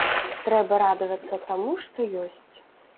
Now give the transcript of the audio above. Трэба радавацца таму, што ёсць.